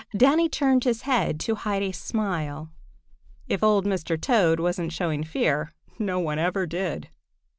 Danny turned his head to hide a smile. If old Mr. Toad wasn't showing fear, no one ever did.